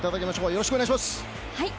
よろしくお願いします。